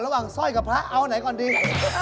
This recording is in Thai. ระหว่างสร้อยกับพระเอาไหนก่อนดี